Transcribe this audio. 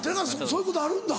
そういうことあるんだ？